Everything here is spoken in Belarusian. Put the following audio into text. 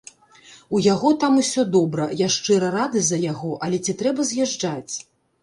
У яго там усё добра, я шчыра рады за яго, але ці трэба з'язджаць?